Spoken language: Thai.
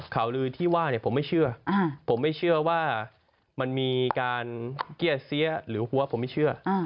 ข่าวลือที่ว่าเนี่ยผมไม่เชื่อผมไม่เชื่อว่ามันมีการเกลี้ยเสียหรือหัวผมไม่เชื่อ